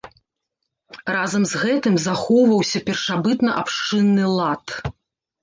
Разам з гэтым, захоўваўся першабытна-абшчынны лад.